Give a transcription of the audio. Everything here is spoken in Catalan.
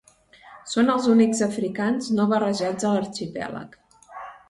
Són els únics africans no barrejats a l'arxipèlag.